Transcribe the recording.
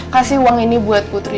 kasih uang ini buat putri